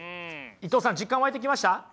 伊藤さん実感湧いてきました？